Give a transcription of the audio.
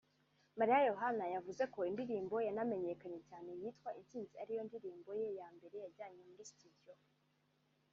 Mariya Yohana yavuze ko indirimbo yanamenyekanye cyane yitwa `Intsinzi’ ari yo ndirimbo ye ya mbere yajyanye muri sitidiyo